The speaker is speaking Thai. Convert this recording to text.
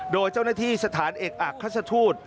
โดยเจ้าหน้าที่สถานเอกอักราชทูต